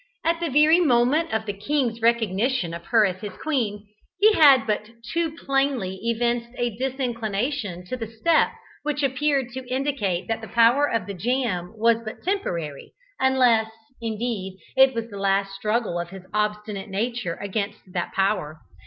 At the very moment of the king's recognition of her as his queen, he had but too plainly evinced a disinclination to the step which appeared to indicate that the power of the jam was but temporary, unless, indeed, it was the last struggle of his obstinate nature against that power.